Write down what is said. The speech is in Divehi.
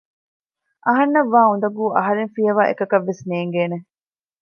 އަހަންނަށް ވާ އުނދަގޫ އަހަރެން ފިޔަވައި އެކަކަށްވެސް ނޭނގޭނެ